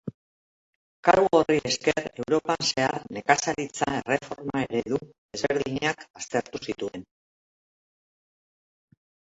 Kargu horri esker Europan zehar nekazaritza erreforma-eredu ezberdinak aztertu zituen.